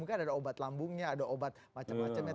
mungkin ada obat lambungnya ada obat macam macamnya